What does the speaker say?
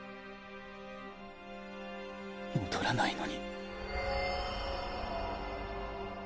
戻らないのに。